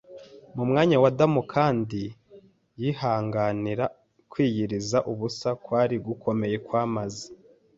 mu mwanya wa Adamu kandi yihanganira kwiyiriza ubusa kwari gukomeye kwamaze